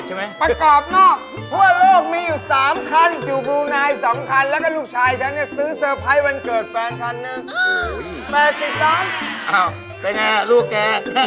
อ้าวเป็นไงลูกแก